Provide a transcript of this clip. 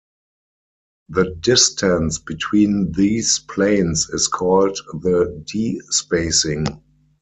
The distance between these planes is called the d-spacing.